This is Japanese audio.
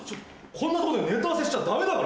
こんなとこでネタ合わせしちゃダメだから！